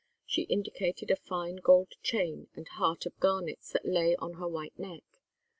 She indicated a fine gold chain and heart of garnets that lay on her white neck.